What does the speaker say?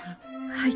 はい。